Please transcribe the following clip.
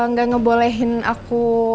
gak ngebolehin aku